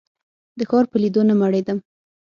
د ښار په لیدو نه مړېدم.